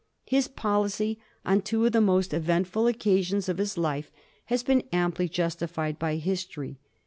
His policy on two of the most eventful occasions of his life has been amply justi fied by history.